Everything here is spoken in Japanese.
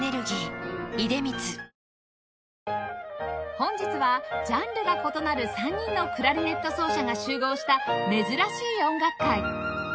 本日はジャンルが異なる３人のクラリネット奏者が集合した珍しい音楽会